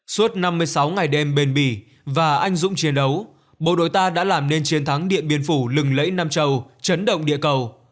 suốt năm mươi sáu ngày đêm bền bỉ và anh dũng chiến đấu bộ đội ta đã làm nên chiến thắng điện biên phủ lừng lẫy nam châu chấn động địa cầu